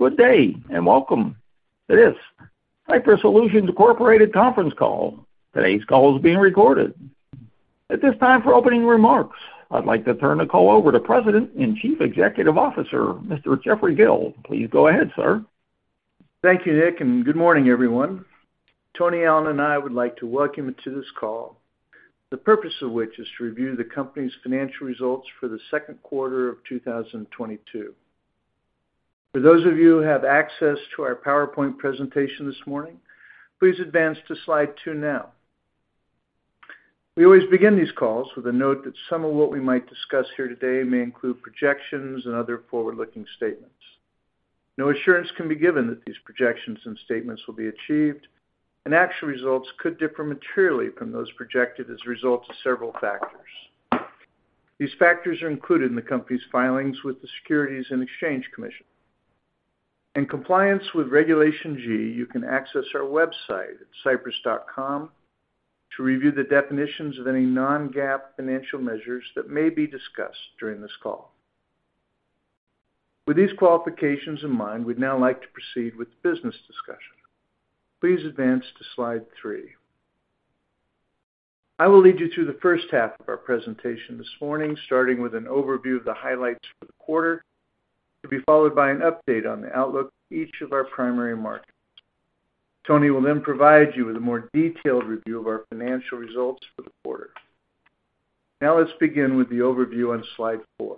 Good day, and welcome to this Sypris Solutions, Inc. conference call. Today's call is being recorded. At this time, for opening remarks, I'd like to turn the call over to President and Chief Executive Officer, Mr. Jeffrey Gill. Please go ahead, sir. Thank you, Nick, and good morning, everyone. Tony Allen and I would like to welcome you to this call, the purpose of which is to review the company's financial results for the second quarter of 2022. For those of you who have access to our PowerPoint presentation this morning, please advance to slide 2 now. We always begin these calls with a note that some of what we might discuss here today may include projections and other forward-looking statements. No assurance can be given that these projections and statements will be achieved, and actual results could differ materially from those projected as a result of several factors. These factors are included in the company's filings with the Securities and Exchange Commission. In compliance with Regulation G, you can access our website at sypris.com to review the definitions of any Non-GAAP financial measures that may be discussed during this call. With these qualifications in mind, we'd now like to proceed with the business discussion. Please advance to slide 3. I will lead you through the first half of our presentation this morning, starting with an overview of the highlights for the quarter, to be followed by an update on the outlook for each of our primary markets. Tony will then provide you with a more detailed review of our financial results for the quarter. Now let's begin with the overview on slide 4.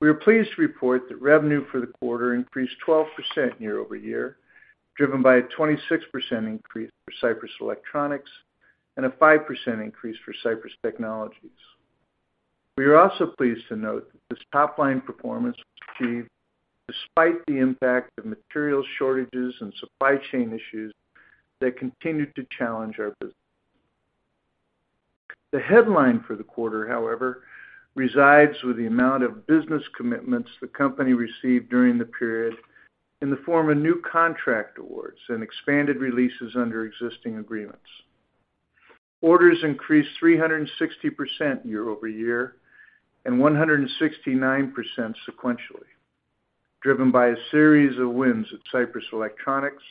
We are pleased to report that revenue for the quarter increased 12% year-over-year, driven by a 26% increase for Sypris Electronics and a 5% increase for Sypris Technologies. We are also pleased to note that this top-line performance was achieved despite the impact of material shortages and supply chain issues that continued to challenge our business. The headline for the quarter, however, resides with the amount of business commitments the company received during the period in the form of new contract awards and expanded releases under existing agreements. Orders increased 360% year-over-year and 169% sequentially, driven by a series of wins at Sypris Electronics,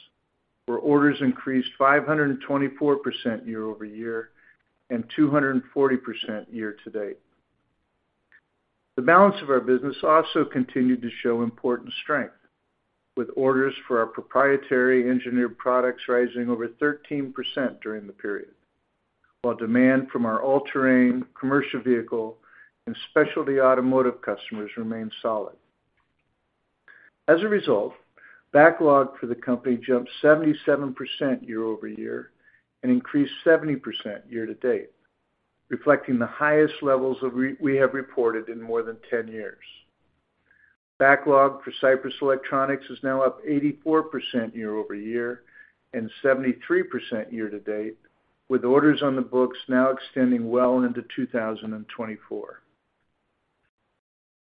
where orders increased 524% year-over-year and 240% year to date. The balance of our business also continued to show important strength, with orders for our proprietary engineered products rising over 13% during the period, while demand from our all-terrain commercial vehicle and specialty automotive customers remained solid. As a result, backlog for the company jumped 77% year-over-year and increased 70% year to date, reflecting the highest levels we have reported in more than 10 years. Backlog for Sypris Electronics is now up 84% year-over-year and 73% year to date, with orders on the books now extending well into 2024.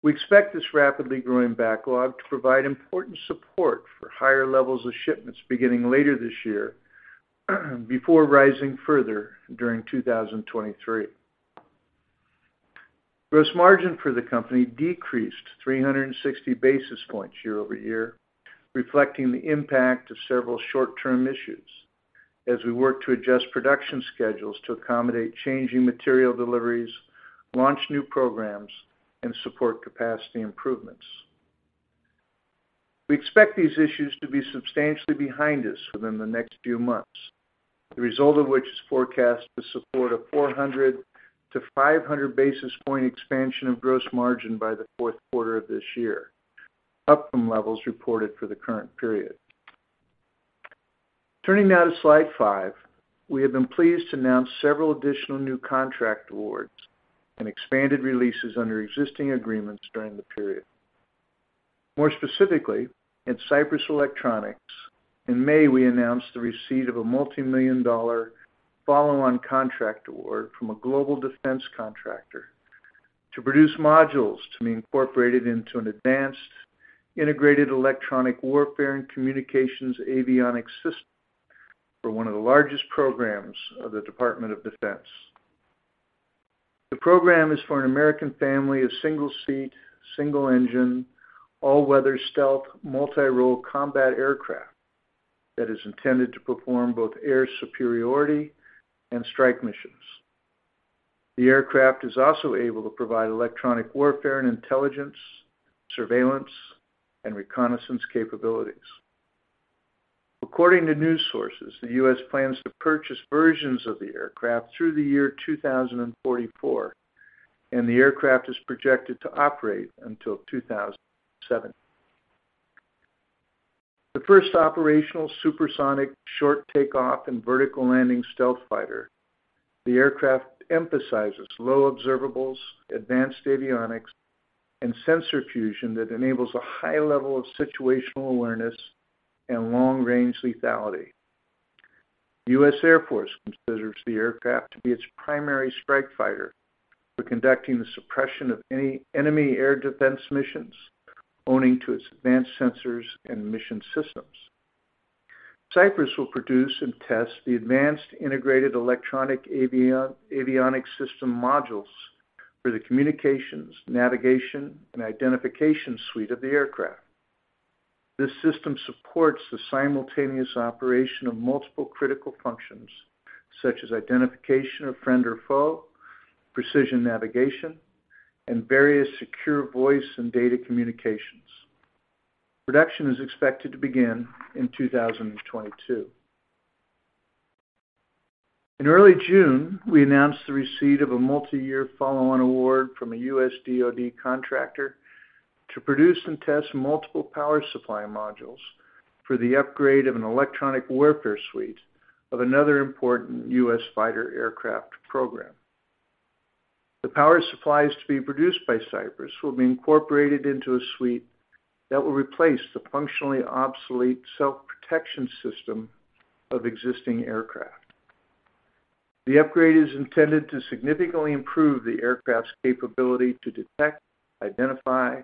We expect this rapidly growing backlog to provide important support for higher levels of shipments beginning later this year before rising further during 2023. Gross margin for the company decreased 360 basis points year-over-year, reflecting the impact of several short-term issues as we work to adjust production schedules to accommodate changing material deliveries, launch new programs, and support capacity improvements. We expect these issues to be substantially behind us within the next few months, the result of which is forecast to support a 400-500 basis point expansion of gross margin by the fourth quarter of this year, up from levels reported for the current period. Turning now to slide 5. We have been pleased to announce several additional new contract awards and expanded releases under existing agreements during the period. More specifically, at Sypris Electronics, in May, we announced the receipt of a multimillion-dollar follow-on contract award from a global defense contractor to produce modules to be incorporated into an advanced integrated electronic warfare and communications avionics system for one of the largest programs of the Department of Defense. The program is for an American family of single-seat, single-engine, all-weather stealth multi-role combat aircraft that is intended to perform both air superiority and strike missions. The aircraft is also able to provide electronic warfare and intelligence, surveillance, and reconnaissance capabilities. According to news sources, the U.S. plans to purchase versions of the aircraft through the year 2044, and the aircraft is projected to operate until 2070. The first operational supersonic short takeoff and vertical landing stealth fighter, the aircraft emphasizes low observables, advanced avionics, and sensor fusion that enables a high level of situational awareness and long-range lethality. The U.S. Air Force considers the aircraft to be its primary strike fighter for conducting the suppression of any enemy air defense missions owing to its advanced sensors and mission systems. Sypris will produce and test the advanced integrated electronic avionics system modules for the communications, navigation, and identification suite of the aircraft. This system supports the simultaneous operation of multiple critical functions, such as identification of friend or foe, precision navigation, and various secure voice and data communications. Production is expected to begin in 2022. In early June, we announced the receipt of a multi-year follow-on award from a U.S. DOD contractor to produce and test multiple power supply modules for the upgrade of an electronic warfare suite of another important U.S. fighter aircraft program. The power supplies to be produced by Sypris will be incorporated into a suite that will replace the functionally obsolete self-protection system of existing aircraft. The upgrade is intended to significantly improve the aircraft's capability to detect, identify,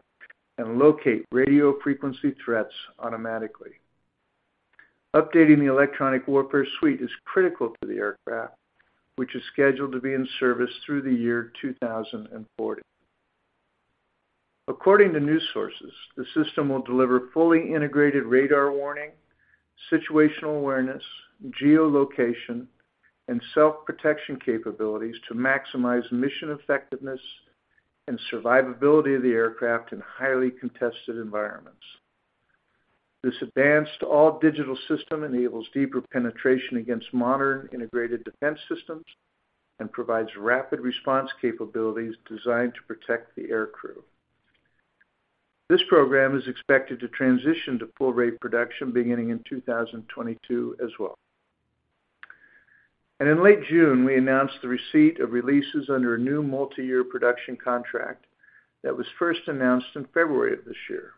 and locate radio frequency threats automatically. Updating the electronic warfare suite is critical to the aircraft, which is scheduled to be in service through the year 2040. According to news sources, the system will deliver fully integrated radar warning, situational awareness, geolocation, and self-protection capabilities to maximize mission effectiveness and survivability of the aircraft in highly contested environments. This advanced all-digital system enables deeper penetration against modern integrated defense systems and provides rapid response capabilities designed to protect the aircrew. This program is expected to transition to full rate production beginning in 2022 as well. In late June, we announced the receipt of releases under a new multi-year production contract that was first announced in February of this year.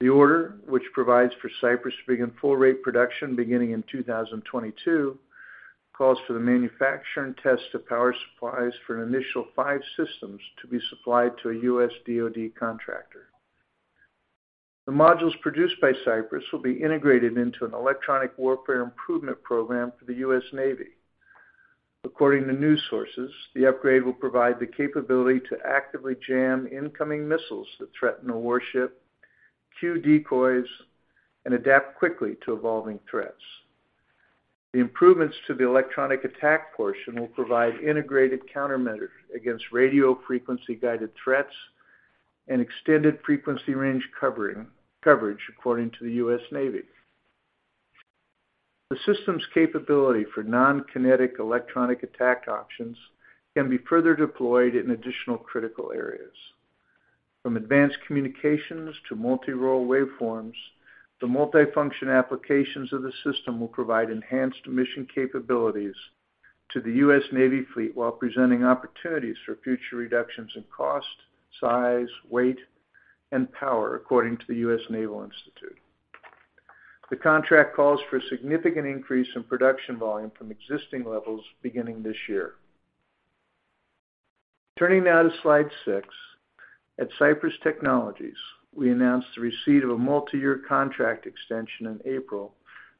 The order, which provides for Sypris to begin full rate production beginning in 2022, calls for the manufacture and test of power supplies for an initial five systems to be supplied to a U.S. DoD contractor. The modules produced by Sypris will be integrated into an electronic warfare improvement program for the U.S. Navy. According to news sources, the upgrade will provide the capability to actively jam incoming missiles that threaten a warship, cue decoys, and adapt quickly to evolving threats. The improvements to the electronic attack portion will provide integrated countermeasures against radio frequency-guided threats and extended frequency range coverage according to the U.S. Navy. The system's capability for non-kinetic electronic attack options can be further deployed in additional critical areas. From advanced communications to multi-role waveforms, the multifunction applications of the system will provide enhanced mission capabilities to the U.S. Navy fleet while presenting opportunities for future reductions in cost, size, weight, and power, according to the United States Naval Institute. The contract calls for a significant increase in production volume from existing levels beginning this year. Turning now to slide six, at Sypris Technologies, we announced the receipt of a multi-year contract extension in April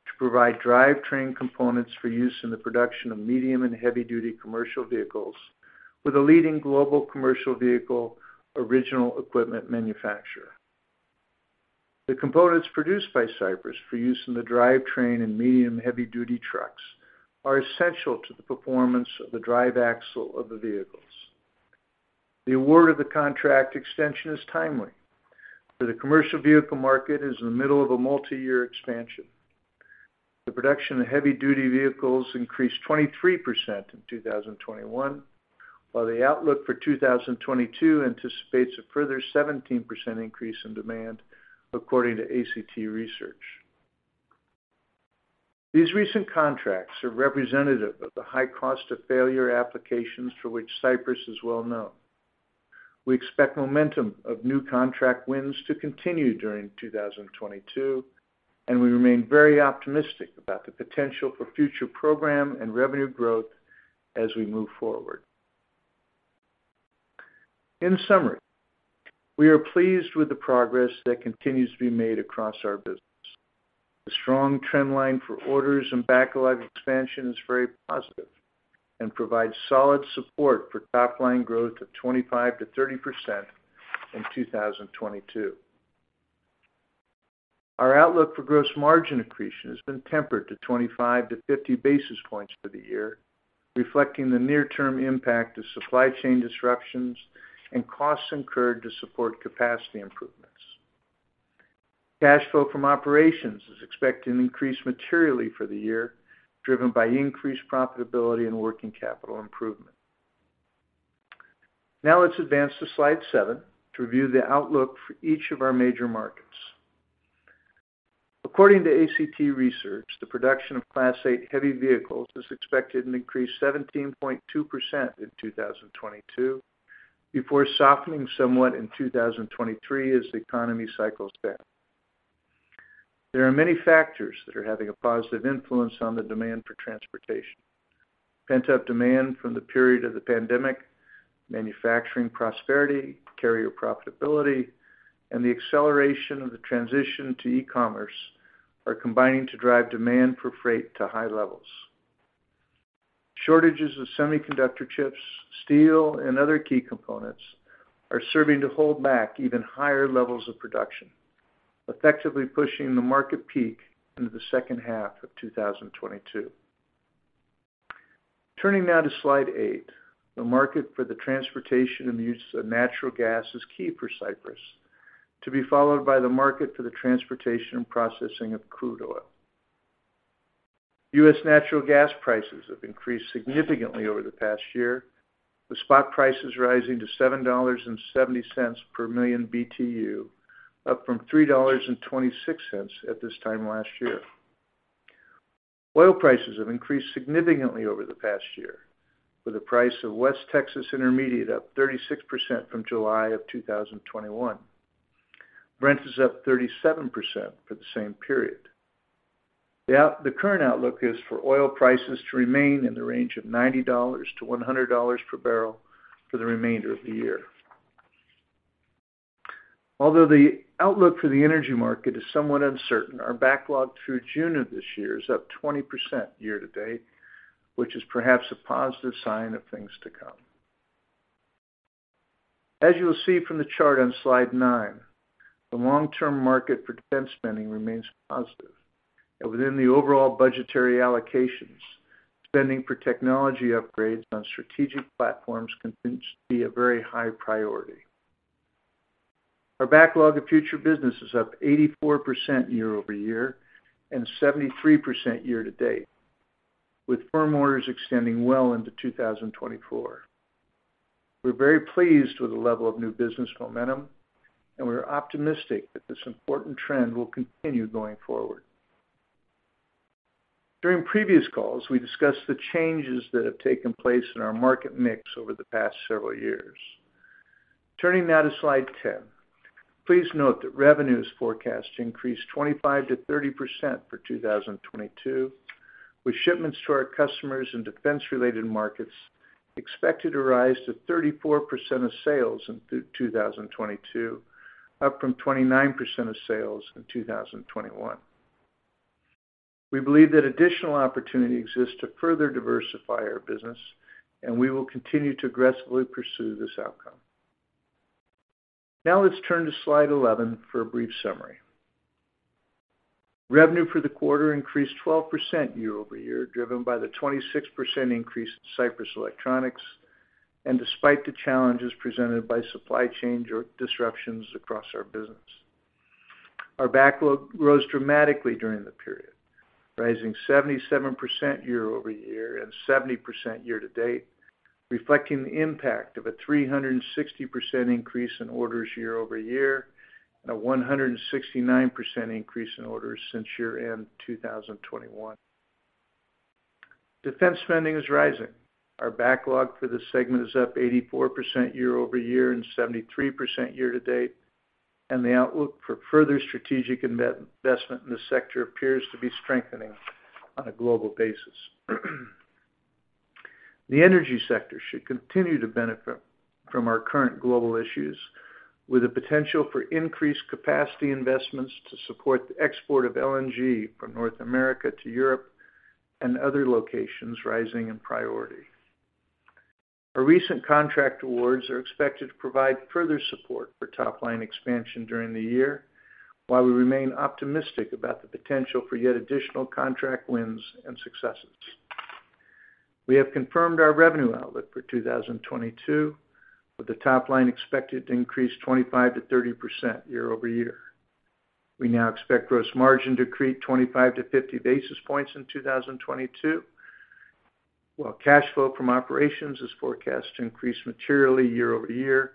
to provide drivetrain components for use in the production of medium and heavy-duty commercial vehicles with a leading global commercial vehicle original equipment manufacturer. The components produced by Sypris for use in the drivetrain in medium and heavy-duty trucks are essential to the performance of the drive axle of the vehicles. The award of the contract extension is timely, for the commercial vehicle market is in the middle of a multi-year expansion. The production of heavy-duty vehicles increased 23% in 2021, while the outlook for 2022 anticipates a further 17% increase in demand, according to ACT Research. These recent contracts are representative of the high cost of failure applications for which Sypris is well known. We expect momentum of new contract wins to continue during 2022, and we remain very optimistic about the potential for future program and revenue growth as we move forward. In summary, we are pleased with the progress that continues to be made across our business. The strong trend line for orders and backlog expansion is very positive and provides solid support for top line growth of 25%-30% in 2022. Our outlook for gross margin accretion has been tempered to 25-50 basis points for the year, reflecting the near-term impact of supply chain disruptions and costs incurred to support capacity improvements. Cash flow from operations is expected to increase materially for the year, driven by increased profitability and working capital improvement. Now let's advance to slide seven to review the outlook for each of our major markets. According to ACT Research, the production of Class 8 heavy vehicles is expected to increase 17.2% in 2022 before softening somewhat in 2023 as the economy cycles back. There are many factors that are having a positive influence on the demand for transportation. Pent-up demand from the period of the pandemic, manufacturing prosperity, carrier profitability, and the acceleration of the transition to e-commerce are combining to drive demand for freight to high levels. Shortages of semiconductor chips, steel, and other key components are serving to hold back even higher levels of production, effectively pushing the market peak into the second half of 2022. Turning now to slide 8, the market for the transportation and use of natural gas is key for Sypris, to be followed by the market for the transportation and processing of crude oil. US natural gas prices have increased significantly over the past year, with spot prices rising to $7.70 per million BTU, up from $3.26 at this time last year. Oil prices have increased significantly over the past year, with the price of West Texas Intermediate up 36% from July 2021. Brent is up 37% for the same period. The current outlook is for oil prices to remain in the range of $90-$100 per barrel for the remainder of the year. Although the outlook for the energy market is somewhat uncertain, our backlog through June of this year is up 20% year to date, which is perhaps a positive sign of things to come. As you will see from the chart on slide 9, the long-term market for defense spending remains positive. Within the overall budgetary allocations, spending for technology upgrades on strategic platforms continues to be a very high priority. Our backlog of future business is up 84% year-over-year, and 73% year-to-date, with firm orders extending well into 2024. We're very pleased with the level of new business momentum, and we're optimistic that this important trend will continue going forward. During previous calls, we discussed the changes that have taken place in our market mix over the past several years. Turning now to slide 10, please note that revenue is forecast to increase 25%-30% for 2022, with shipments to our customers in defense-related markets expected to rise to 34% of sales in 2022, up from 29% of sales in 2021. We believe that additional opportunity exists to further diversify our business, and we will continue to aggressively pursue this outcome. Now let's turn to slide 11 for a brief summary. Revenue for the quarter increased 12% year-over-year, driven by the 26% increase in Sypris Electronics, and despite the challenges presented by supply chain disruptions across our business. Our backlog rose dramatically during the period, rising 77% year-over-year, and 70% year to date, reflecting the impact of a 360% increase in orders year-over-year, and a 169% increase in orders since year-end 2021. Defense spending is rising. Our backlog for the segment is up 84% year-over-year, and 73% year to date, and the outlook for further strategic investment in this sector appears to be strengthening on a global basis. The energy sector should continue to benefit from our current global issues, with the potential for increased capacity investments to support the export of LNG from North America to Europe and other locations rising in priority. Our recent contract awards are expected to provide further support for top line expansion during the year, while we remain optimistic about the potential for yet additional contract wins and successes. We have confirmed our revenue outlook for 2022, with the top line expected to increase 25%-30% year-over-year. We now expect gross margin to create 25-50 basis points in 2022, while cash flow from operations is forecast to increase materially year-over-year,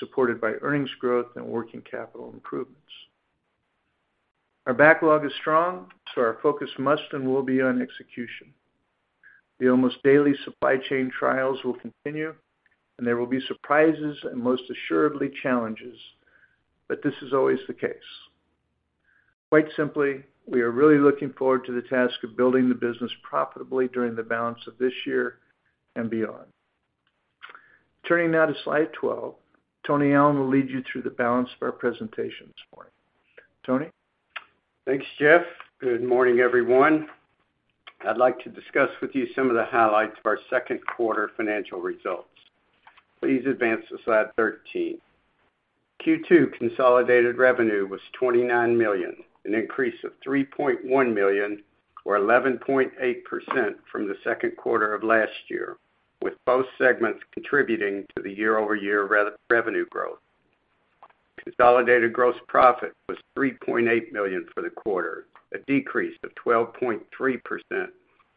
supported by earnings growth and working capital improvements. Our backlog is strong, so our focus must and will be on execution. The almost daily supply chain trials will continue, and there will be surprises and most assuredly challenges, but this is always the case. Quite simply, we are really looking forward to the task of building the business profitably during the balance of this year and beyond. Turning now to slide 12, Anthony C. Allen will lead you through the balance of our presentation this morning. Tony? Thanks, Jeff. Good morning, everyone. I'd like to discuss with you some of the highlights of our second quarter financial results. Please advance to slide 13. Q2 consolidated revenue was $29 million, an increase of $3.1 million or 11.8% from the second quarter of last year, with both segments contributing to the year-over-year revenue growth. Consolidated gross profit was $3.8 million for the quarter, a decrease of 12.3%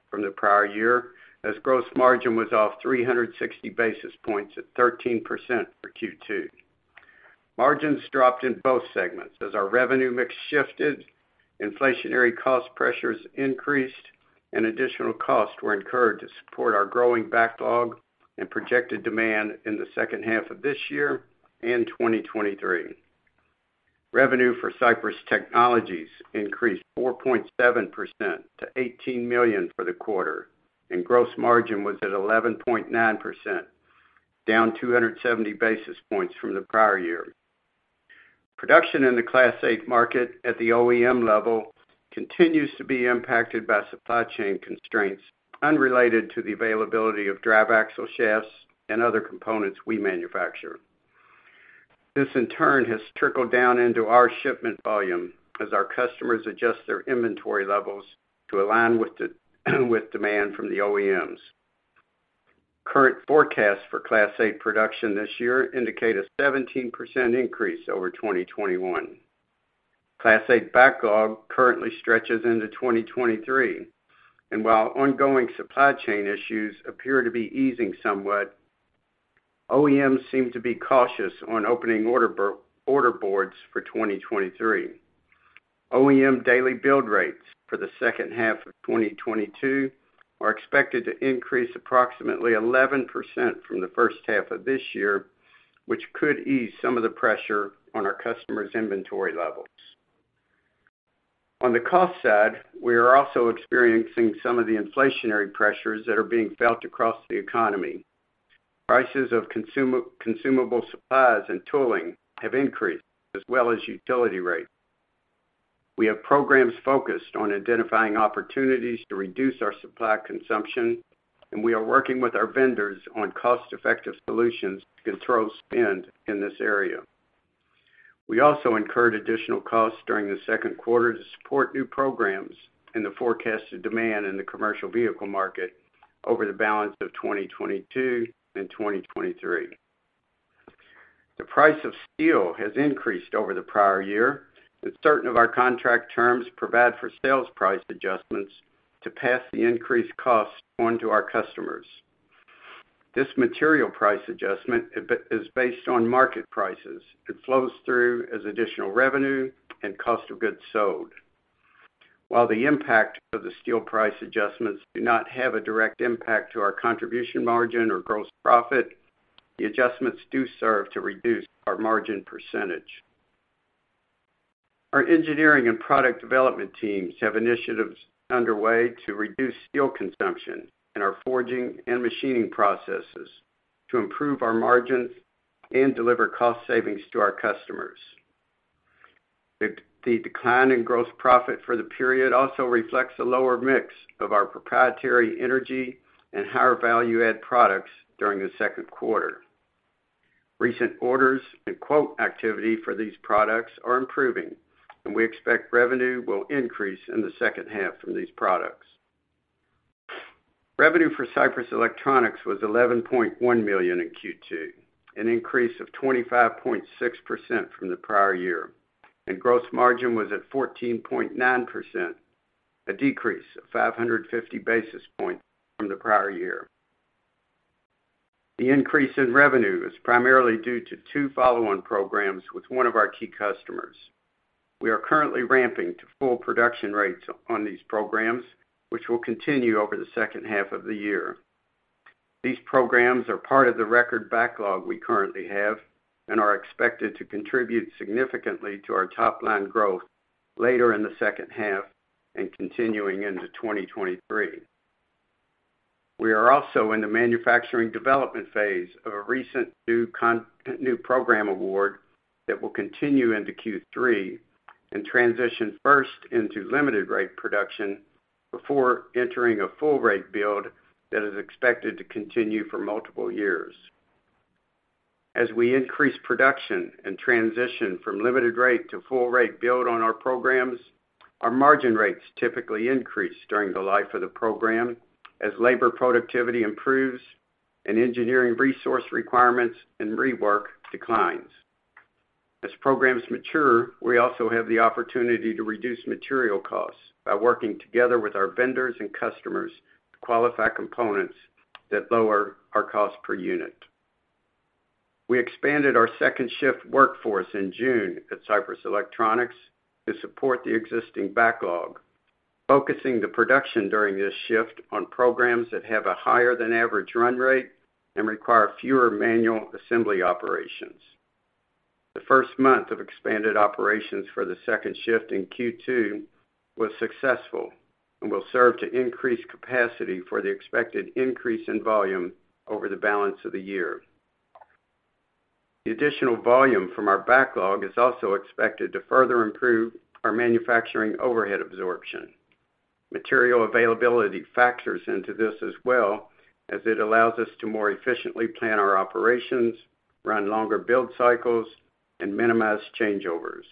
from the prior year, as gross margin was off 360 basis points at 13% for Q2. Margins dropped in both segments as our revenue mix shifted, inflationary cost pressures increased, and additional costs were incurred to support our growing backlog and projected demand in the second half of this year and 2023. Revenue for Sypris Technologies increased 4.7% to $18 million for the quarter, and gross margin was at 11.9%, down 270 basis points from the prior year. Production in the Class 8 market at the OEM level continues to be impacted by supply chain constraints unrelated to the availability of drive axle shafts and other components we manufacture. This, in turn, has trickled down into our shipment volume as our customers adjust their inventory levels to align with demand from the OEMs. Current forecasts for Class 8 production this year indicate a 17% increase over 2021. Class 8 backlog currently stretches into 2023, and while ongoing supply chain issues appear to be easing somewhat, OEMs seem to be cautious on opening order boards for 2023. OEM daily build rates for the second half of 2022 are expected to increase approximately 11% from the first half of this year, which could ease some of the pressure on our customers' inventory levels. On the cost side, we are also experiencing some of the inflationary pressures that are being felt across the economy. Prices of consumable supplies and tooling have increased as well as utility rates. We have programs focused on identifying opportunities to reduce our supply consumption, and we are working with our vendors on cost-effective solutions to control spend in this area. We also incurred additional costs during the second quarter to support new programs and the forecasted demand in the commercial vehicle market over the balance of 2022 and 2023. The price of steel has increased over the prior year, and certain of our contract terms provide for sales price adjustments to pass the increased costs on to our customers. This material price adjustment is based on market prices. It flows through as additional revenue and cost of goods sold. While the impact of the steel price adjustments do not have a direct impact to our contribution margin or gross profit, the adjustments do serve to reduce our margin percentage. Our engineering and product development teams have initiatives underway to reduce steel consumption in our forging and machining processes to improve our margins and deliver cost savings to our customers. The decline in gross profit for the period also reflects a lower mix of our proprietary energy and higher value-add products during the second quarter. Recent orders and quote activity for these products are improving, and we expect revenue will increase in the second half from these products. Revenue for Sypris Electronics was $11.1 million in Q2, an increase of 25.6% from the prior year, and gross margin was at 14.9%, a decrease of 550 basis points from the prior year. The increase in revenue is primarily due to two follow-on programs with one of our key customers. We are currently ramping to full production rates on these programs, which will continue over the second half of the year. These programs are part of the record backlog we currently have and are expected to contribute significantly to our top line growth later in the second half and continuing into 2023. We are also in the manufacturing development phase of a recent new program award that will continue into Q3 and transition first into limited rate production before entering a full rate build that is expected to continue for multiple years. As we increase production and transition from limited rate to full rate build on our programs, our margin rates typically increase during the life of the program as labor productivity improves and engineering resource requirements and rework declines. As programs mature, we also have the opportunity to reduce material costs by working together with our vendors and customers to qualify components that lower our cost per unit. We expanded our second shift workforce in June at Sypris Electronics to support the existing backlog, focusing the production during this shift on programs that have a higher than average run rate and require fewer manual assembly operations. The first month of expanded operations for the second shift in Q2 was successful and will serve to increase capacity for the expected increase in volume over the balance of the year. The additional volume from our backlog is also expected to further improve our manufacturing overhead absorption. Material availability factors into this as well as it allows us to more efficiently plan our operations, run longer build cycles, and minimize changeovers.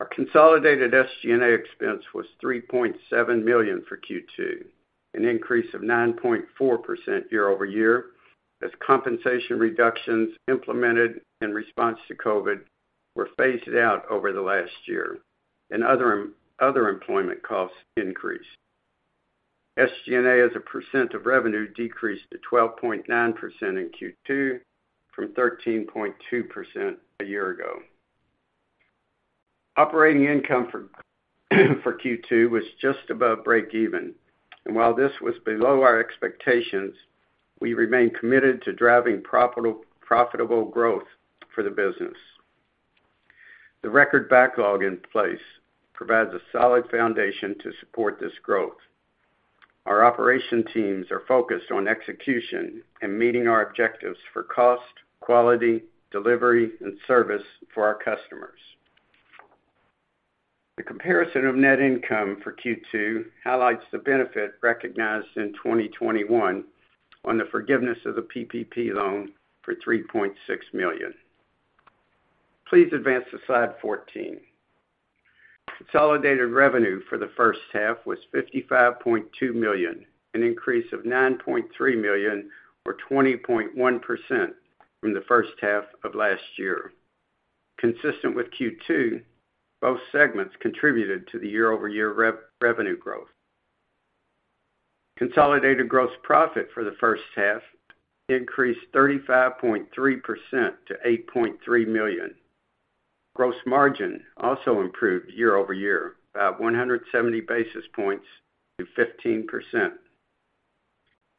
Our consolidated SG&A expense was $3.7 million for Q2, an increase of 9.4% year-over-year as compensation reductions implemented in response to COVID were phased out over the last year and other employment costs increased. SG&A as a percent of revenue decreased to 12.9% in Q2 from 13.2% a year ago. Operating income for Q2 was just above breakeven. While this was below our expectations, we remain committed to driving profitable growth for the business. The record backlog in place provides a solid foundation to support this growth. Our operations teams are focused on execution and meeting our objectives for cost, quality, delivery, and service for our customers. The comparison of net income for Q2 highlights the benefit recognized in 2021 on the forgiveness of the PPP loan for $3.6 million. Please advance to slide 14. Consolidated revenue for the first half was $55.2 million, an increase of $9.3 million or 20.1% from the first half of last year. Consistent with Q2, both segments contributed to the year-over-year revenue growth. Consolidated gross profit for the first half increased 35.3% to $8.3 million. Gross margin also improved year over year, about 170 basis points to 15%.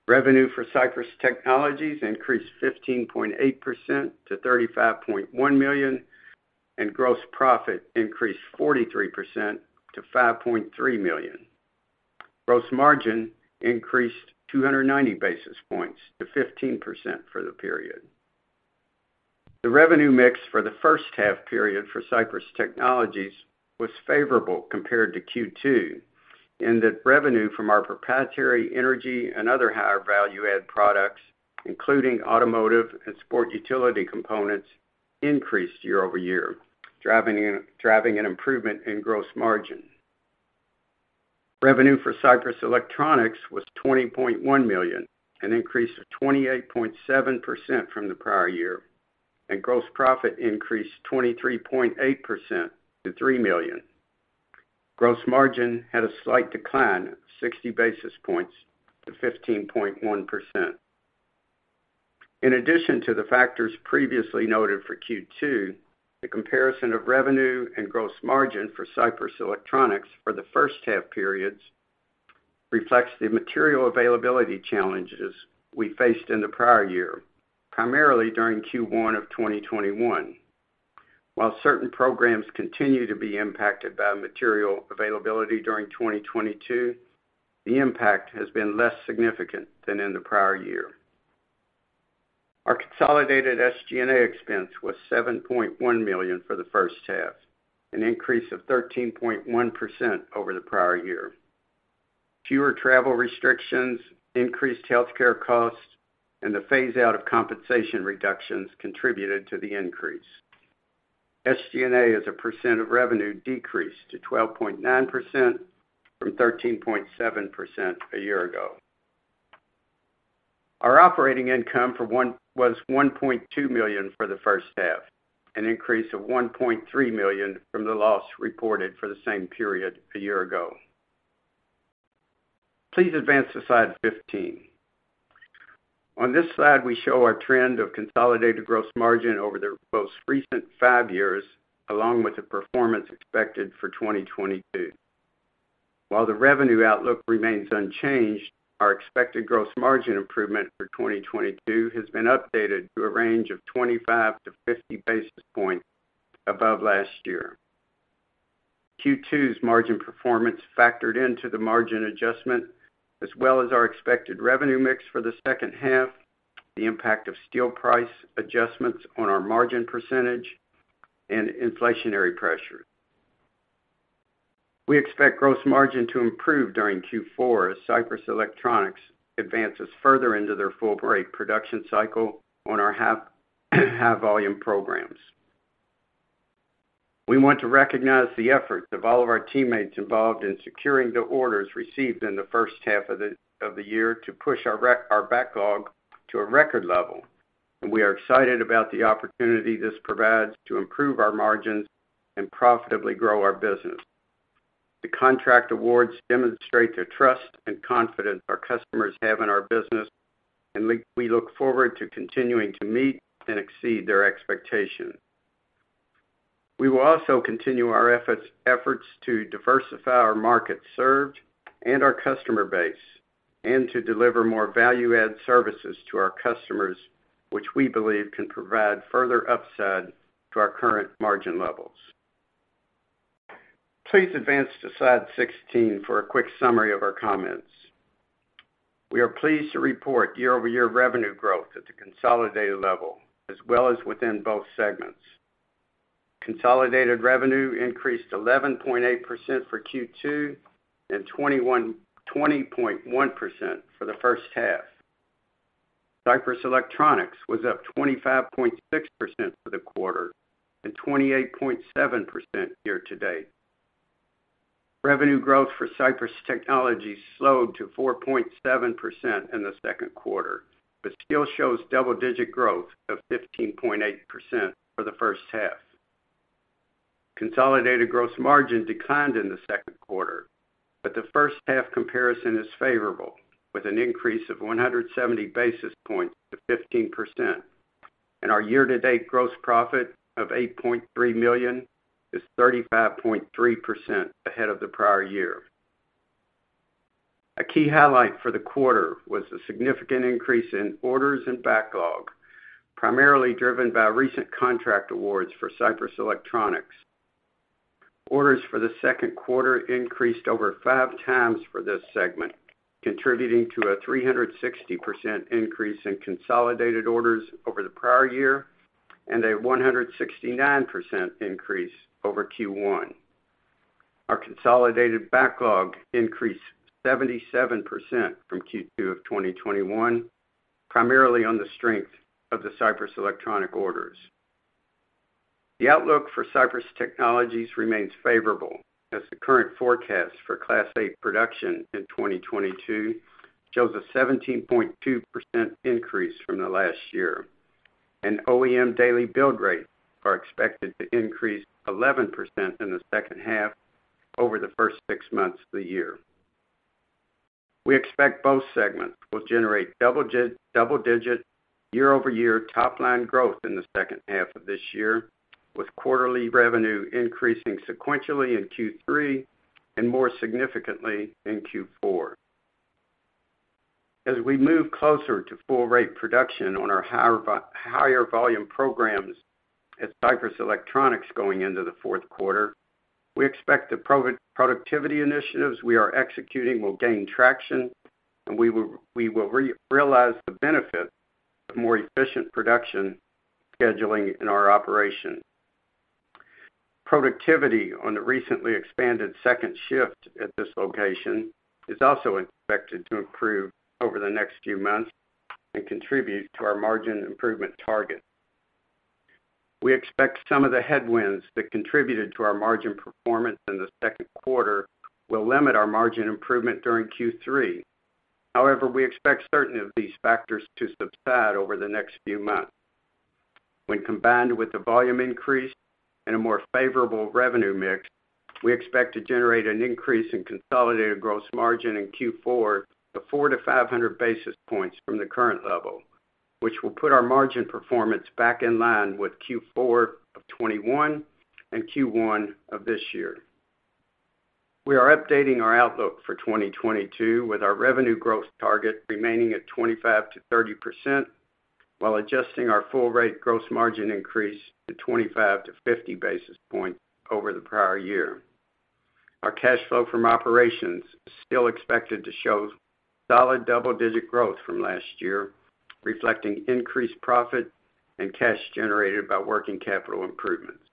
Revenue for Sypris Technologies increased 15.8% to $35.1 million, and gross profit increased 43% to $5.3 million. Gross margin increased 290 basis points to 15% for the period. The revenue mix for the first half period for Sypris Technologies was favorable compared to Q2 in that revenue from our proprietary energy and other higher value-add products, including automotive and sport utility components, increased year-over-year, driving an improvement in gross margin. Revenue for Sypris Electronics was $20.1 million, an increase of 28.7% from the prior year, and gross profit increased 23.8% to $3 million. Gross margin had a slight decline of 60 basis points to 15.1%. In addition to the factors previously noted for Q2, the comparison of revenue and gross margin for Sypris Electronics for the first half periods reflects the material availability challenges we faced in the prior year, primarily during Q1 of 2021. While certain programs continue to be impacted by material availability during 2022, the impact has been less significant than in the prior year. Our consolidated SG&A expense was $7.1 million for the first half, an increase of 13.1% over the prior year. Fewer travel restrictions, increased healthcare costs, and the phase-out of compensation reductions contributed to the increase. SG&A as a percent of revenue decreased to 12.9% from 13.7% a year ago. Our operating income was $1.2 million for the first half, an increase of $1.3 million from the loss reported for the same period a year ago. Please advance to slide 15. On this slide, we show our trend of consolidated gross margin over the most recent five years, along with the performance expected for 2022. While the revenue outlook remains unchanged, our expected gross margin improvement for 2022 has been updated to a range of 25-50 basis points above last year. Q2's margin performance factored into the margin adjustment, as well as our expected revenue mix for the second half, the impact of steel price adjustments on our margin percentage, and inflationary pressures. We expect gross margin to improve during Q4 as Sypris Electronics advances further into their full-rate production cycle on our higher volume programs. We want to recognize the efforts of all of our teammates involved in securing the orders received in the first half of the year to push our backlog to a record level, and we are excited about the opportunity this provides to improve our margins and profitably grow our business. The contract awards demonstrate the trust and confidence our customers have in our business, and we look forward to continuing to meet and exceed their expectations. We will also continue our efforts to diversify our market served and our customer base, and to deliver more value-add services to our customers, which we believe can provide further upside to our current margin levels. Please advance to slide 16 for a quick summary of our comments. We are pleased to report year-over-year revenue growth at the consolidated level, as well as within both segments. Consolidated revenue increased 11.8% for Q2 and 20.1% for the first half. Sypris Electronics was up 25.6% for the quarter and 28.7% year to date. Revenue growth for Sypris Technologies slowed to 4.7% in the second quarter, but still shows double-digit growth of 15.8% for the first half. Consolidated gross margin declined in the second quarter. The first half comparison is favorable, with an increase of 170 basis points to 15%. Our year-to-date gross profit of $8.3 million is 35.3% ahead of the prior year. A key highlight for the quarter was the significant increase in orders and backlog, primarily driven by recent contract awards for Sypris Electronics. Orders for the second quarter increased over 5 times for this segment, contributing to a 360% increase in consolidated orders over the prior year and a 169% increase over Q1. Our consolidated backlog increased 77% from Q2 of 2021, primarily on the strength of the Sypris Electronics orders. The outlook for Sypris Technologies remains favorable, as the current forecast for Class 8 production in 2022 shows a 17.2% increase from the last year. OEM daily build rates are expected to increase 11% in the second half over the first six months of the year. We expect both segments will generate double-digit year-over-year top line growth in the second half of this year, with quarterly revenue increasing sequentially in Q3 and more significantly in Q4. As we move closer to full rate production on our higher volume programs at Sypris Electronics going into the fourth quarter, we expect the productivity initiatives we are executing will gain traction, and we will realize the benefit of more efficient production scheduling in our operation. Productivity on the recently expanded second shift at this location is also expected to improve over the next few months and contribute to our margin improvement target. We expect some of the headwinds that contributed to our margin performance in the second quarter will limit our margin improvement during Q3. However, we expect certain of these factors to subside over the next few months. When combined with the volume increase and a more favorable revenue mix, we expect to generate an increase in consolidated gross margin in Q4 to 400-500 basis points from the current level, which will put our margin performance back in line with Q4 of 2021 and Q1 of this year. We are updating our outlook for 2022, with our revenue growth target remaining at 25%-30%, while adjusting our full rate gross margin increase to 25-50 basis points over the prior year. Our cash flow from operations is still expected to show solid double-digit growth from last year, reflecting increased profit and cash generated by working capital improvements.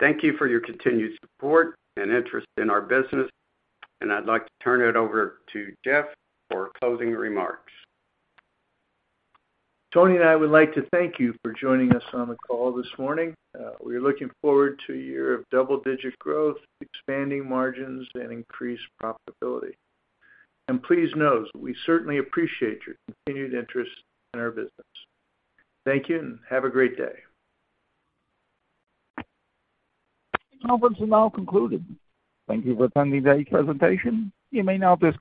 Thank you for your continued support and interest in our business, and I'd like to turn it over to Jeff for closing remarks. Tony and I would like to thank you for joining us on the call this morning. We're looking forward to a year of double-digit growth, expanding margins, and increased profitability. Please know that we certainly appreciate your continued interest in our business. Thank you, and have a great day. Conference is now concluded. Thank you for attending today's presentation. You may now disconnect.